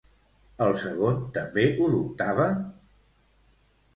El segon també ho dubtava?